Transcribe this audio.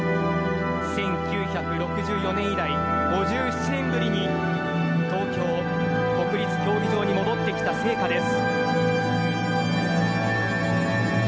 １９６４年以来５７年ぶりに東京・国立競技場に戻ってきた聖火です。